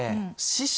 師匠？